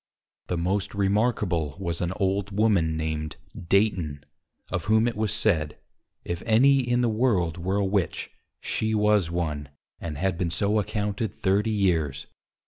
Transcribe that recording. The most remarkable was an Old Woman named Dayton, of whom it was said, _If any in the World were a Witch, she was one, and had been so accounted 30 years.